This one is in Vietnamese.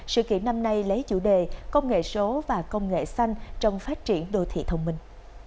sự kiện năm nay lấy chủ đề công nghệ số và công nghệ xanh trong phát triển đô thị thông minh